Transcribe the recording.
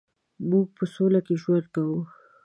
مونږ په سوله کې ژوند کوو